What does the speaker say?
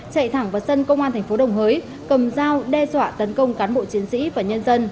chạy thẳng vào sân công an thành phố đồng hới cầm dao đe dọa tấn công cán bộ chiến sĩ và nhân dân